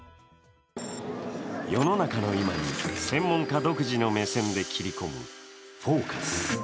世の中の今に専門家独自の目線で切り込む「フォーカス」。